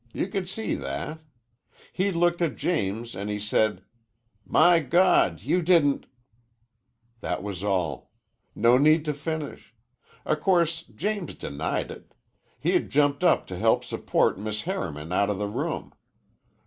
You could see that. He looked at James, an' he said, 'My God, you didn't ' That was all. No need to finish. O' course James denied it. He'd jumped up to help support Miss Harriman outa the room.